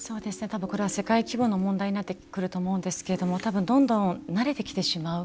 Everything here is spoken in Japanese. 多分、これは世界規模の問題になってくると思うんですけれども多分どんどん慣れてきてしまう。